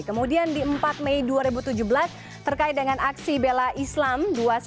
kemudian di empat mei dua ribu tujuh belas terkait dengan aksi bela islam dua ratus dua belas